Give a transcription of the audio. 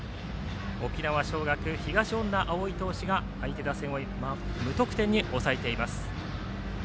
沖縄尚学、東恩納投手が相手打線を無得点に抑えています。